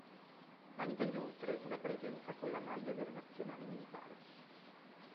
Vanta inoltre una presenza con la maglia della Nazionale Militare.